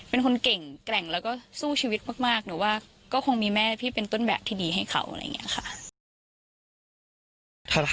เป็นคนเก่งแกร่งแล้วก็สู้ชีวิตมากหนูว่าก็คงมีแม่พี่เป็นต้นแบบที่ดีให้เขาอะไรอย่างนี้ค่ะ